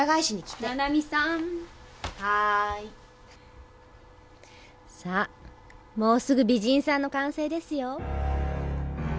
さあもうすぐ美人さんの完成ですよ。